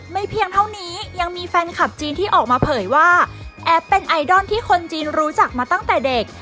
เพียงเท่านี้ยังมีแฟนคลับจีนที่ออกมาเผยว่าแอบเป็นไอดอลที่คนจีนรู้จักมาตั้งแต่เด็ก